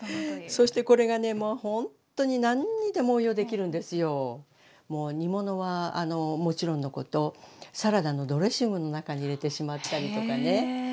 そしてこれがねもうほんとに煮物はもちろんのことサラダのドレッシングの中に入れてしまったりとかね。